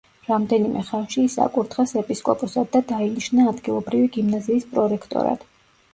რამდენიმე ხანში ის აკურთხეს ეპისკოპოსად და დაინიშნა ადგილობრივი გიმნაზიის პრორექტორად.